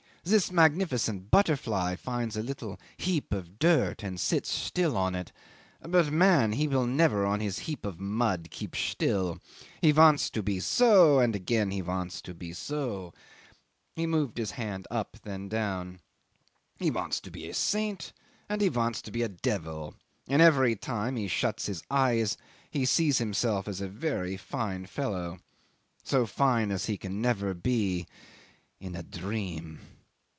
"This magnificent butterfly finds a little heap of dirt and sits still on it; but man he will never on his heap of mud keep still. He want to be so, and again he want to be so. ..." He moved his hand up, then down. ... "He wants to be a saint, and he wants to be a devil and every time he shuts his eyes he sees himself as a very fine fellow so fine as he can never be. ... In a dream.